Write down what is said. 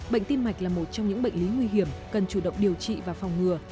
bệnh tim mạch là một trong những bệnh lý nguy hiểm cần chủ động điều trị và phòng ngừa